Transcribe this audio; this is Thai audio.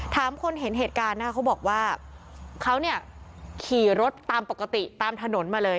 ถามคนเห็นเหตุการณ์นะคะเขาบอกว่าเขาเนี่ยขี่รถตามปกติตามถนนมาเลย